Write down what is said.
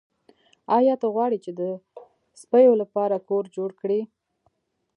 ایا ته غواړې چې د سپیو لپاره کور جوړ کړې